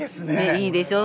いいでしょう？